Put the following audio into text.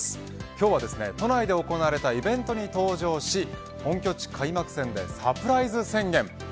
今日は都内で行われたイベントに登場し本拠地開幕戦でサプライズ宣言。